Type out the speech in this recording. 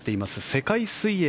世界水泳。